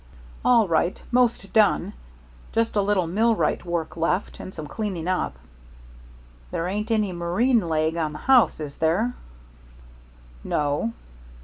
"All right 'most done. Just a little millwright work left, and some cleaning up." "There ain't any marine leg on the house, is there?"